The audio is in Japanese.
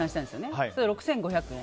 そうすると６５００円。